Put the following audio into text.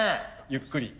ゆっくり。